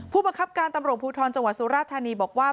ผู้บังคับการตำรวจภูทรจังหวัดสุราธานีบอกว่า